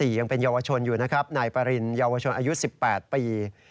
ยังเป็นเยาวชนอยู่นะครับนายปริญเยาวชนอายุ๑๘ปี